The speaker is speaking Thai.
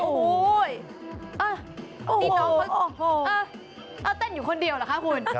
โอ้โหนี่น้องเขาเต้นอยู่คนเดียวเหรอคะคุณ